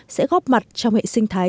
sẽ góp mặt trong hệ sinh thái